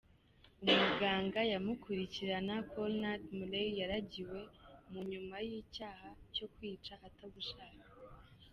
Umuganga yamukurikirana Conrad Murray yaragiwe munyuma n'icaha co kwica ata gushaka.